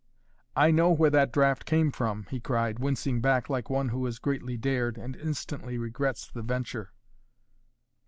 "I know where that draft came from," he cried, wincing back like one who has greatly dared, and instantly regrets the venture.